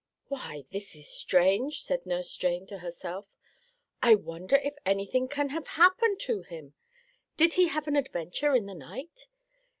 "Why, this is strange," said Nurse Jane to herself. "I wonder if anything can have happened to him? Did he have an adventure in the night?